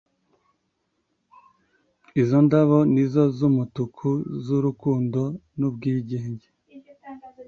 Izo ndabo nizo z’umutuku z’urukundo n’ubwigenge.